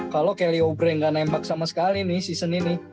kalo kelly oubre gak nembak sama sekali nih season ini